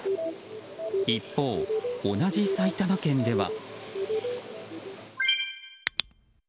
一方、同じ埼玉県では。